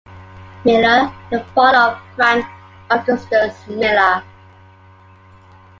Miller, the father of Frank Augustus Miller.